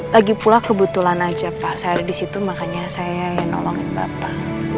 lagi pula kebetulan aja pak saya ada di situ makanya saya yang nolongin bapak